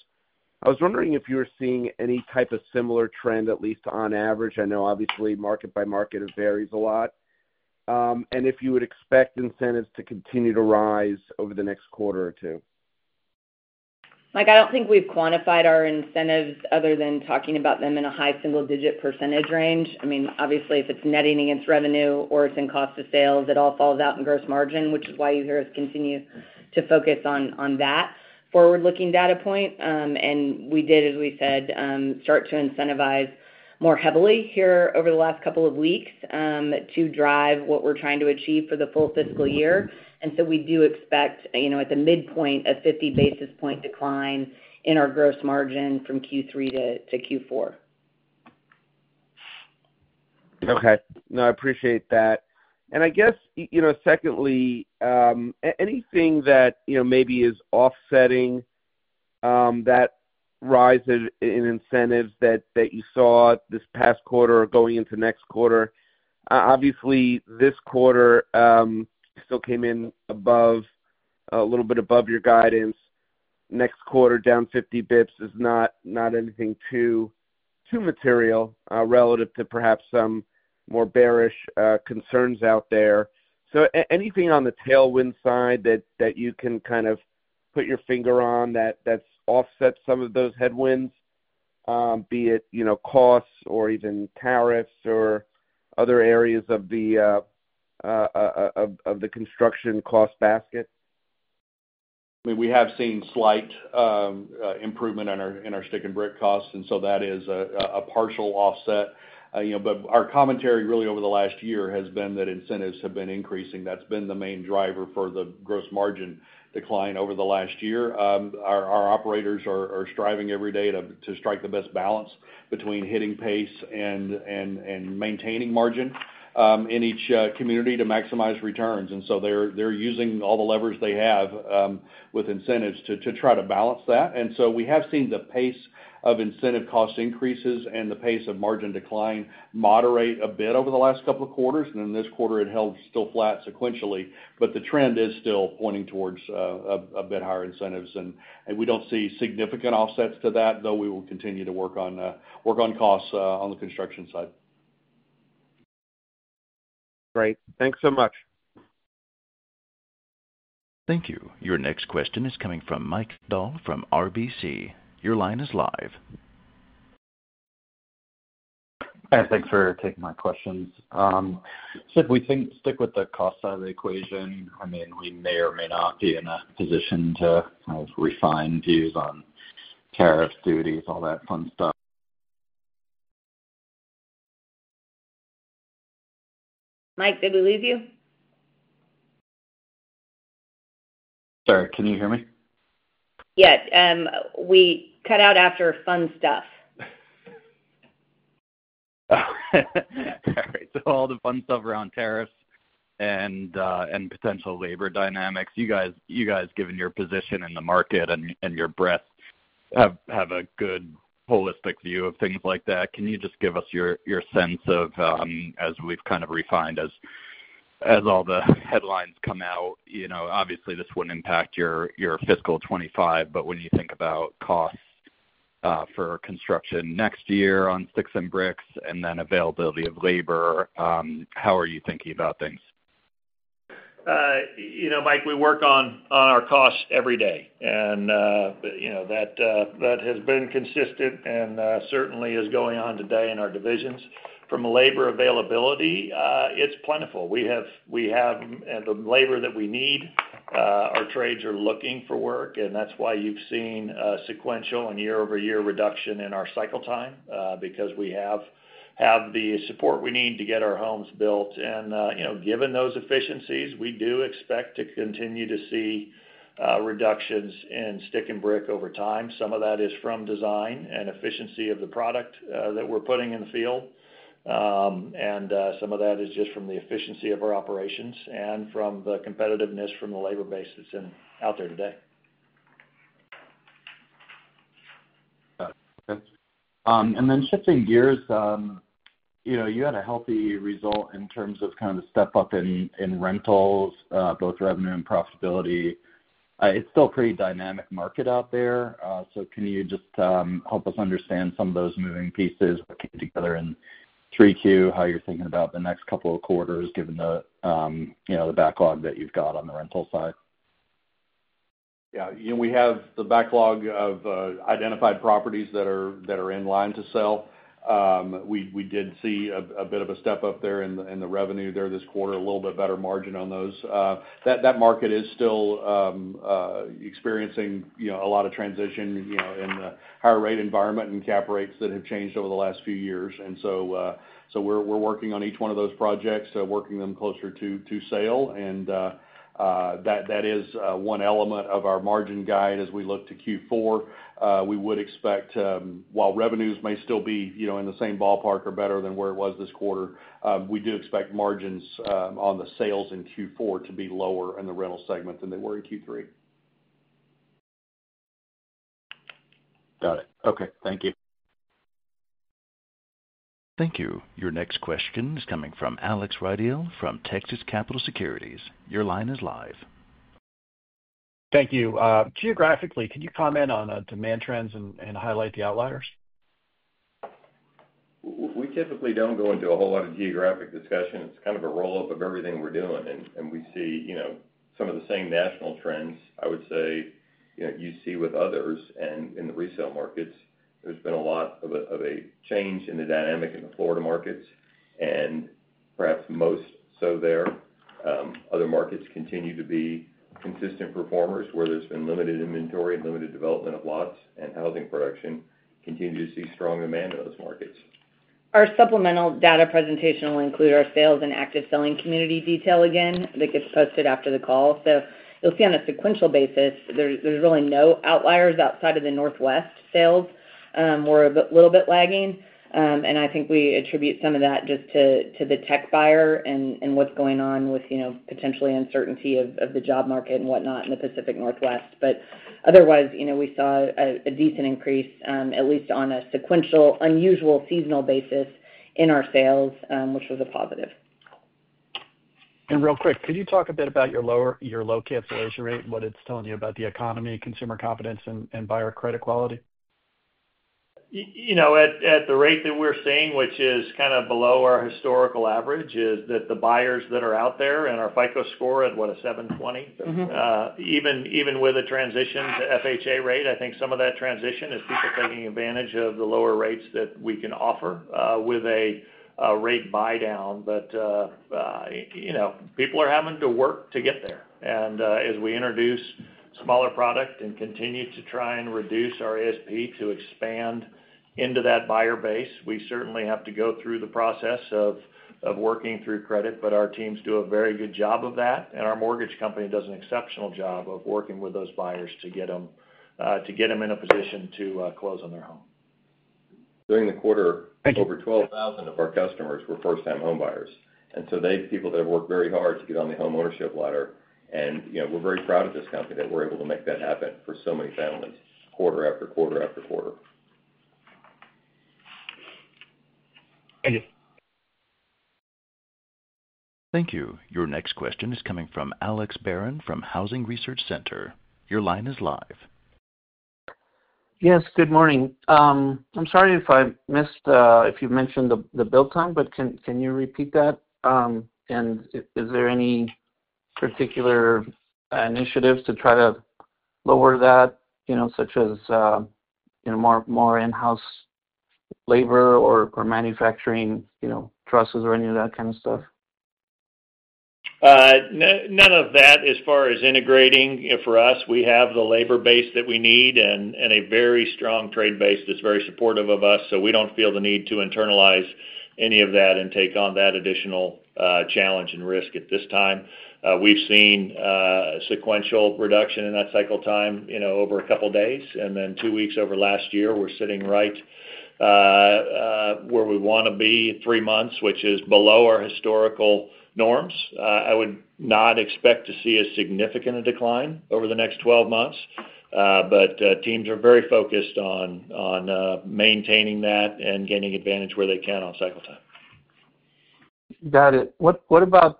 I was wondering if you were seeing any type of similar trend, at least on average. I know, obviously, market-by-market, it varies a lot. And if you would expect incentives to continue to rise over the next quarter or two. I don't think we've quantified our incentives other than talking about them in a high single-digit percentage range. I mean, obviously, if it's netting against revenue or it's in cost of sales, it all falls out in gross margin, which is why you hear us continue to focus on that forward-looking data point. I mean, we did, as we said, start to incentivize more heavily here over the last couple of weeks to drive what we're trying to achieve for the full fiscal year. We do expect at the midpoint, a 50 basis point decline in our gross margin from Q3 to Q4. Okay. No, I appreciate that. I guess, secondly, anything that maybe is offsetting that rise in incentives that you saw this past quarter or going into next quarter? Obviously, this quarter still came in a little bit above your guidance. Next quarter, down 50 basis points is not anything too material relative to perhaps some more bearish concerns out there. Anything on the tailwind side that you can kind of put your finger on that's offset some of those headwinds, be it costs or even tariffs or other areas of the construction cost basket? I mean, we have seen slight improvement in our stick and brick costs, and so that is a partial offset. But our commentary really over the last year has been that incentives have been increasing. That's been the main driver for the gross margin decline over the last year. Our operators are striving every day to strike the best balance between hitting pace and maintaining margin in each community to maximize returns. They are using all the levers they have with incentives to try to balance that. We have seen the pace of incentive cost increases and the pace of margin decline moderate a bit over the last couple of quarters. This quarter, it held still flat sequentially. The trend is still pointing towards a bit higher incentives. We do not see significant offsets to that, though we will continue to work on costs on the construction side. Great. Thanks so much. Thank you. Your next question is coming from Mike Dahl from RBC. Your line is live. Hi, thanks for taking my questions. If we stick with the cost side of the equation, I mean, we may or may not be in a position to kind of refine views on tariffs, duties, all that fun stuff. Mike, did we lose you? Sorry, can you hear me? Yeah. We cut out after fun stuff. All right. So all the fun stuff around tariffs and potential labor dynamics. You guys, given your position in the market and your breadth, have a good holistic view of things like that. Can you just give us your sense of, as we've kind of refined, as all the headlines come out? Obviously, this would not impact your fiscal 2025, but when you think about costs for construction next year on sticks and bricks and then availability of labor, how are you thinking about things? Mike, we work on our costs every day. That has been consistent and certainly is going on today in our divisions. From labor availability, it's plentiful. We have the labor that we need. Our trades are looking for work. That is why you've seen sequential and year-over-year reduction in our cycle time because we have the support we need to get our homes built. Given those efficiencies, we do expect to continue to see reductions in stick and brick over time. Some of that is from design and efficiency of the product that we're putting in the field. Some of that is just from the efficiency of our operations and from the competitiveness from the labor base that's out there today. Shifting gears. You had a healthy result in terms of kind of the step-up in rentals, both revenue and profitability. It is still a pretty dynamic market out there. Can you just help us understand some of those moving pieces that came together in 3Q, how you are thinking about the next couple of quarters, given the backlog that you have got on the rental side? Yeah. We have the backlog of identified properties that are in line to sell. We did see a bit of a step up there in the revenue there this quarter, a little bit better margin on those. That market is still experiencing a lot of transition in the higher-rate environment and cap rates that have changed over the last few years. We are working on each one of those projects, working them closer-to-sale. That is one element of our margin guide as we look to Q4. We would expect, while revenues may still be in the same ballpark or better than where it was this quarter, we do expect margins on the sales in Q4 to be lower in the rental segment than they were in Q3. Got it. Okay. Thank you. Thank you. Your next question is coming from Alex Rygiel from Texas Capital Securities. Your line is live. Thank you. Geographically, can you comment on demand trends and highlight the outliers? We typically don't go into a whole lot of geographic discussion. It's kind of a roll-up of everything we're doing. We see some of the same national trends, I would say. You see with others. In the resale markets, there's been a lot of a change in the dynamic in the Florida markets, and perhaps most so there. Other markets continue to be consistent performers where there's been limited inventory and limited development of lots, and housing production continues to see strong demand in those markets. Our supplemental data presentation will include our sales and active selling community detail again that gets posted after the call. You'll see on a sequential basis, there's really no outliers outside of the Northwest sales. We're a little bit lagging. I think we attribute some of that just to the tech buyer and what's going on with potentially uncertainty of the job market and whatnot in the Pacific Northwest. Otherwise, we saw a decent increase, at least on a sequential, unusual seasonal basis in our sales, which was a positive. Could you talk a bit about your low cancellation rate and what it's telling you about the economy, consumer confidence, and buyer credit quality? At the rate that we're seeing, which is kind of below our historical average, is that the buyers that are out there and our FICO score at, what, a 720. Even with a transition to FHA rate, I think some of that transition is people taking advantage of the lower rates that we can offer with a rate buy down. People are having to work to get there. As we introduce smaller product and continue to try and reduce our ASP to expand into that buyer base, we certainly have to go through the process of working through credit. Our teams do a very good job of that. Our mortgage company does an exceptional job of working with those buyers to get them in a position to close on their home. During the quarter, over 12,000 of our customers were first-time home buyers. They are people that have worked very hard to get on the homeownership ladder. We are very proud of this company that we are able to make that happen for so many families quarter-after quarter-after quarter. Thank you. Your next question is coming from Alex Barron from Housing Research Center. Your line is live. Yes. Good morning. I'm sorry if I missed if you mentioned the build time, but can you repeat that? Is there any particular initiative to try to lower that, such as more in-house labor or manufacturing trusses or any of that kind of stuff? None of that as far as integrating. For us, we have the labor base that we need and a very strong trade base that's very supportive of us. So we don't feel the need to internalize any of that and take on that additional challenge and risk at this time. We've seen sequential reduction in that cycle time over a couple of days. And then two weeks over last year, we're sitting right where we want to be in three months, which is below our historical norms. I would not expect to see a significant decline over the next 12 months. But teams are very focused on maintaining that and gaining advantage where they can on cycle time. Got it. What about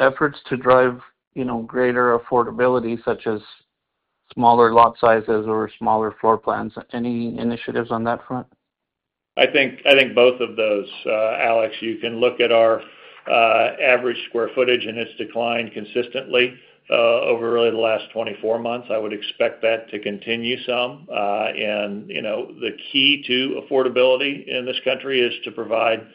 efforts to drive greater affordability, such as smaller lot sizes or smaller floor plans? Any initiatives on that front? I think both of those. Alex, you can look at our average square footage and its decline consistently over really the last 24 months. I would expect that to continue some. The key to affordability in this country is to provide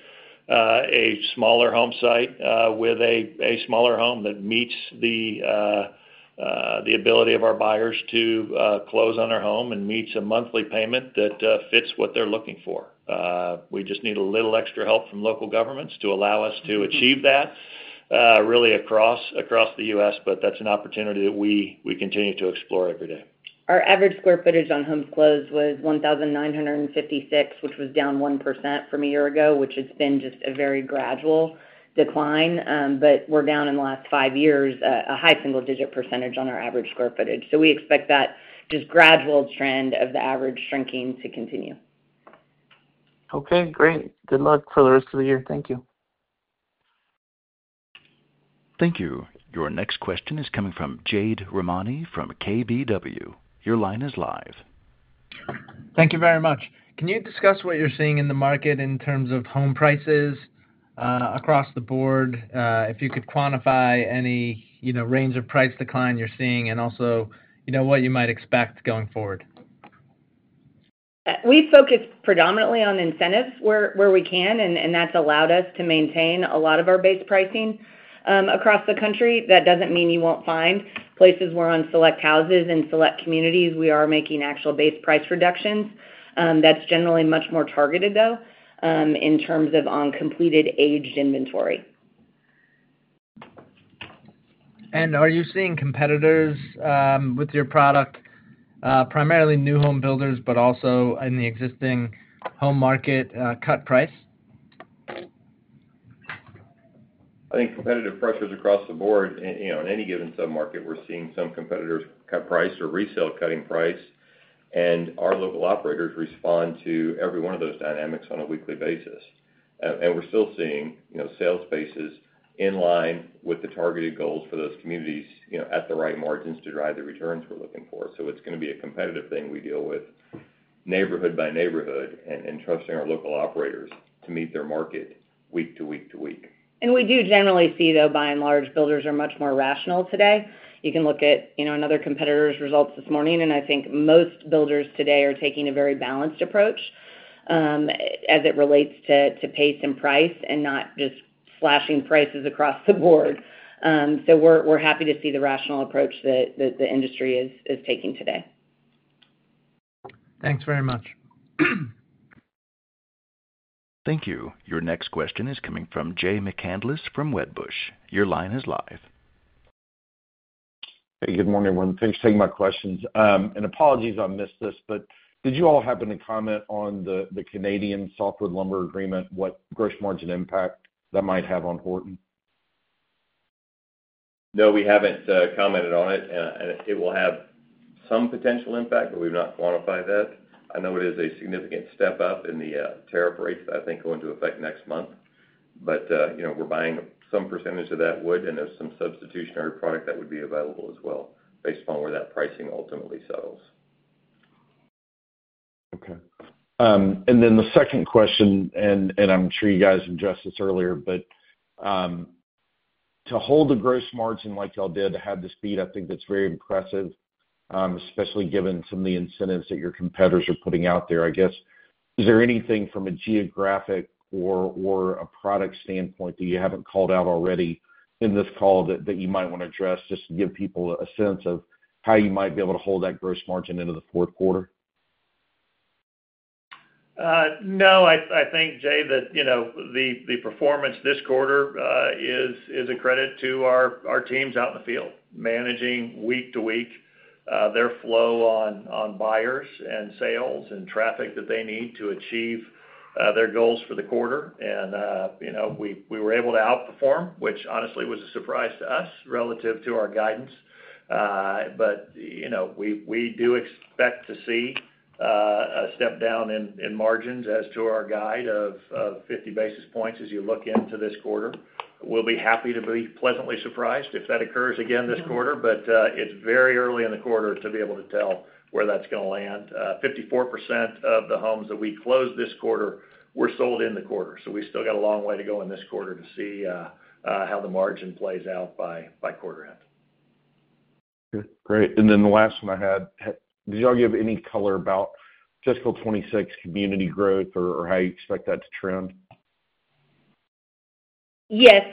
a smaller home site with a smaller home that meets the ability of our buyers to close on their home and meets a monthly payment that fits what they're looking for. We just need a little extra help from local governments to allow us to achieve that. Really across the U.S., but that's an opportunity that we continue to explore every day. Our average square footage on home close was 1,956, which was down 1% from a year ago, which has been just a very gradual decline. We are down in the last five years a high single-digit percentage on our average square footage. We expect that just gradual trend of the average shrinking to continue. Okay. Great. Good luck for the rest of the year. Thank you. Thank you. Your next question is coming from Jade Rahmani from KBW. Your line is live. Thank you very much. Can you discuss what you're seeing in the market in terms of home prices across the board? If you could quantify any range of price decline you're seeing and also what you might expect going forward. We focus predominantly on incentives where we can, and that's allowed us to maintain a lot of our base pricing across the country. That does not mean you will not find places where on select houses and select communities we are making actual base price reductions. That is generally much more targeted, though, in terms of on completed aged inventory. Are you seeing competitors with your product, primarily new home builders, but also in the existing home market, cut price? I think competitive pressures across the board, in any given sub-market, we're seeing some competitors cut price or resale cutting price. Our local operators respond to every one of those dynamics on a weekly basis. We're still seeing sales paces in line with the targeted goals for those communities at the right margins to drive the returns we're looking for. It is going to be a competitive thing we deal with, neighborhood by neighborhood, and trusting our local operators to meet their market week-to-week-to-week. We do generally see, though, by and large, builders are much more rational today. You can look at another competitor's results this morning, and I think most builders today are taking a very balanced approach as it relates to pace and price and not just slashing prices across the board. We are happy to see the rational approach that the industry is taking today. Thanks very much. Thank you. Your next question is coming from Jay McCanless from Wedbush. Your line is live. Hey, good morning, everyone. Thanks for taking my questions. Apologies I missed this, but did you all happen to comment on the Canadian softwood lumber agreement, what gross margin impact that might have on Horton? No, we haven't commented on it. It will have some potential impact, but we've not quantified that. I know it is a significant step up in the tariff rates that I think go into effect next month. We're buying some percentage of that wood, and there's some substitutionary product that would be available as well based upon where that pricing ultimately settles. Okay. And then the second question, and I'm sure you guys addressed this earlier, but to hold the gross margin like y'all did, to have the speed, I think that's very impressive, especially given some of the incentives that your competitors are putting out there. I guess, is there anything from a geographic or a product standpoint that you haven't called out already in this call that you might want to address just to give people a sense of how you might be able to hold that gross margin into the fourth quarter? No, I think, Jay, that the performance this quarter is a credit to our teams out in the field, managing week-to-week their flow on buyers and sales and traffic that they need to achieve their goals for the quarter. We were able to outperform, which honestly was a surprise to us relative to our guidance. We do expect to see a step down in margins as to our guide of 50 basis points as you look into this quarter. We will be happy to be pleasantly surprised if that occurs again this quarter, but it is very early in the quarter to be able to tell where that is going to land. 54% of the homes that we closed this quarter were sold in the quarter. We still got a long way to go in this quarter to see how the margin plays out by quarter end. Okay. Great. And then the last one I had, did y'all give any color about fiscal 2026 community growth or how you expect that to trend? Yes.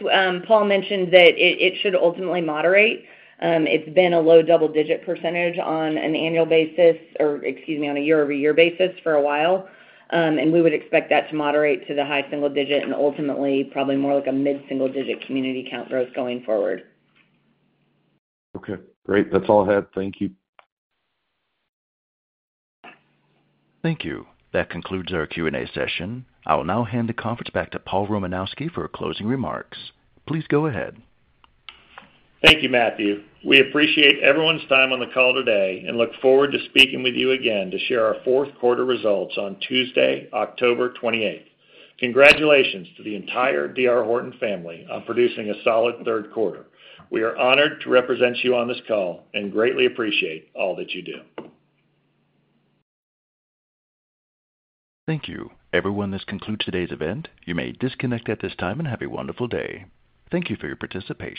Paul mentioned that it should ultimately moderate. It's been a low double-digit percentage on an annual basis or, excuse me, on a year-over-year basis for a while. We would expect that to moderate to the high single-digit and ultimately probably more like a mid-single digit community count growth going forward. Okay. Great. That's all I had. Thank you. Thank you. That concludes our Q&A session. I'll now hand the conference back to Paul Romanowski for closing remarks. Please go ahead. Thank you, Matthew. We appreciate everyone's time on the call today and look forward to speaking with you again to share our fourth quarter results on Tuesday, October 28. Congratulations to the entire D.R. Horton family on producing a solid third quarter. We are honored to represent you on this call and greatly appreciate all that you do. Thank you. Everyone, this concludes today's event. You may disconnect at this time and have a wonderful day. Thank you for your participation.